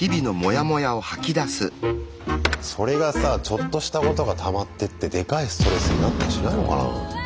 それがさちょっとしたことがたまってってでかいストレスになったりしないのかな？